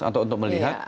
atau untuk melihat